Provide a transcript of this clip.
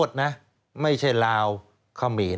สวัสดีค่ะต้อนรับคุณบุษฎี